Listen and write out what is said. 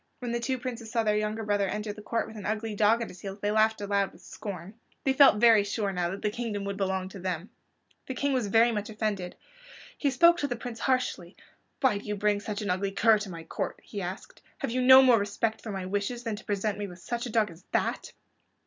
When the two princes saw their younger brother enter the court with the ugly dog at his heels they laughed aloud with scorn. They felt very sure that now the kingdom would belong to them. The King was very much offended. He spoke to the young Prince harshly. "Why do you bring such an ugly cur to my court?" he asked. "Have you no more respect for my wishes than to present me with such a dog as that?"